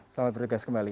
selamat berjugas kembali